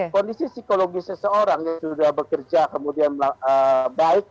kondisi psikologis seseorang yang sudah bekerja kemudian baik